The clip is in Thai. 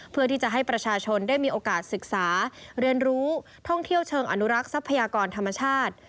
เพื่อที่จะให้ประชาชนได้มีโอกาสศึกษาเรียนรู้ท่องเที่ยวเชิงอนุรักษ์ทรัพยากรธรรมชาติ